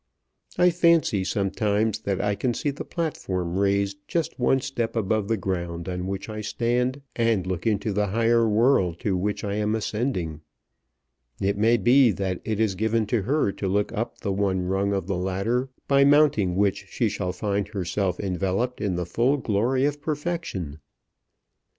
I fancy sometimes that I can see the platform raised just one step above the ground on which I stand, and look into the higher world to which I am ascending. It may be that it is given to her to look up the one rung of the ladder by mounting which she shall find herself enveloped in the full glory of perfection."